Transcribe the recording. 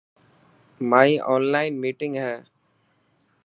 مائن اونلان مينٽنگ هي.